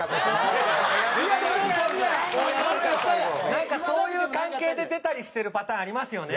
なんかそういう関係で出たりしてるパターンありますよね。